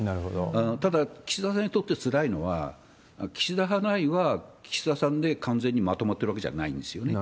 ただ、岸田さんにとってつらいのは、岸田派内は岸田さんで完全にまとまってるわけじゃないんですよね。